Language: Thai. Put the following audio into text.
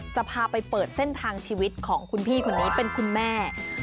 จะพาไปเปิดเส้นทางชีวิตของคุณพี่คนนี้เป็นคุณแม่